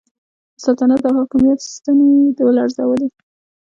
د سلطنت او حاکمیت ستنې یې ولړزولې.